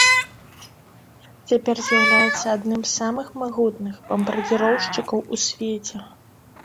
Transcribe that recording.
Цяпер з'яўляецца адным з самых магутных бамбардзіроўшчыкаў у свеце.